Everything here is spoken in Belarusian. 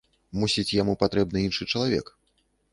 Мусіць, яму патрэбны іншы чалавек.